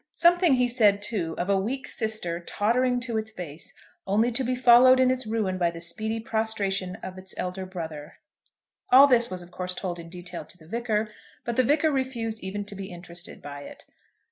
Something he said, too, of a weak sister tottering to its base, only to be followed in its ruin by the speedy prostration of its elder brother. All this was of course told in detail to the Vicar; but the Vicar refused even to be interested by it.